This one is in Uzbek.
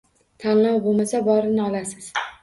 Tanlov bo‘lmasa... borini olasiz.